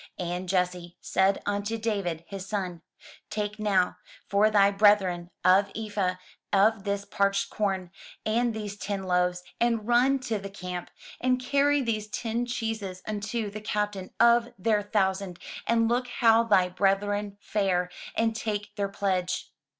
And Jesse said unto David, his son, "Take now for thy brethren an ephah of this parched corn, and these ten loaves, and run to the camp; and carry these ten cheeses unto the captain of their thousand, and look how thy brethren fare, and take their pledge.